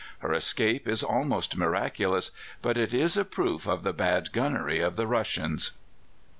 Her escape is almost miraculous, but it is a proof of the bad gunnery of the Russians.